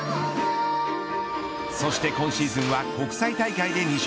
そして今シーズンは国際大会で２勝。